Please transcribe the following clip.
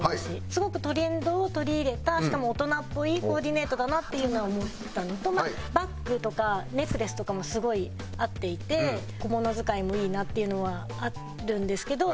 すごくトレンドを取り入れたしかも大人っぽいコーディネートだなっていうのは思ったのとバッグとかネックレスとかもすごい合っていて小物使いもいいなっていうのはあるんですけど。